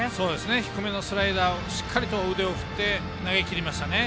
低めのスライダーをしっかりと腕を振って投げきりましたね。